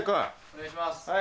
お願いします。